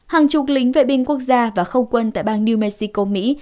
hàng chục lính vệ binh quốc gia và không quân tại bang new mexico mỹ